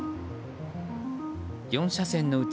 ４車線のうち